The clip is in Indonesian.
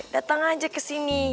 datang aja ke sini